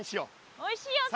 おいしいよセミ。